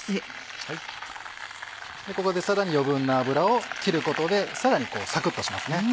ここでさらに余分な油を切ることでさらにサクっとしますね。